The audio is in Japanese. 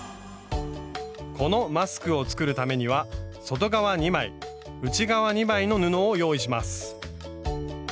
このマスクを作るためには外側２枚内側２枚の布を用意します。